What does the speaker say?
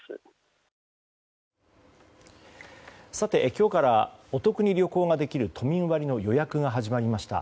今日からお得に旅行ができる都民割の予約が始まりました。